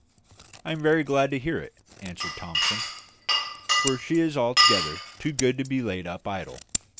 "I am very glad to hear it," answered Thomson, "for she is altogether too good to be laid up idle.